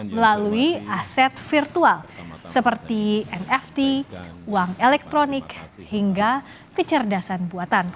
melalui aset virtual seperti nft uang elektronik hingga kecerdasan buatan